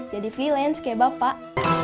jadi freelance kayak bapak